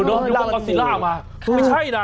ดูกับกอซิลล่ามาไม่ใช่นะ